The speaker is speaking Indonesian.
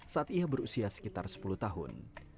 saat ia berusia sekitar sepuluh tahun